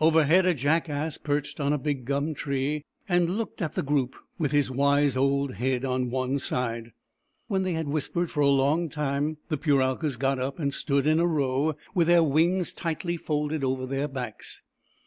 Overhead a jackass perched on a big gum tree, and looked at the group, with his wise old head on one side. When they had whispered for a long time, the Puralkas got up and stood in a row, with their wings tightly folded over their backs.